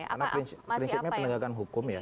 karena prinsipnya penegakan hukum ya